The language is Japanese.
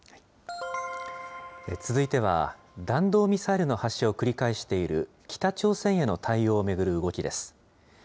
続いては、弾道ミサイルの発射を繰り返している北朝鮮への対応を巡る動きです。